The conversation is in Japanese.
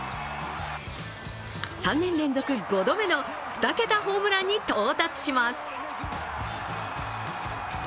３年連続５度目の２桁ホームランに到達します。